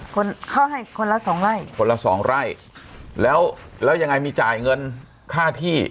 คนเขาให้คนละสองไร่คนละสองไร่แล้วแล้วยังไงมีจ่ายเงินค่าที่